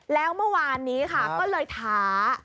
แล้วเมื่อวานนี้ค่ะก็เลยท้า